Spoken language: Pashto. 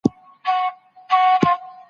کتاب د سړیتوب دي په معنا ویلی نه دی